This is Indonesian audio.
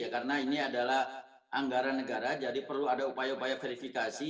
karena ini adalah anggaran negara jadi perlu ada upaya upaya verifikasi